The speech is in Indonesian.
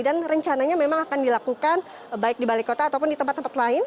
dan rencananya memang akan dilakukan baik di balik kota ataupun di tempat tempat lain